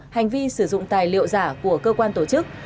hành vi sử dụng tài liệu giả của cơ quan tổ chức